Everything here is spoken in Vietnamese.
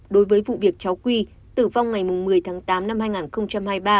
đối với vụ việc cháu n c a qi tử vong ngày một mươi tháng tám năm hai nghìn hai mươi ba